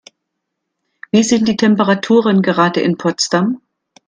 Wie sind die Temperaturen gerade in Potsdam?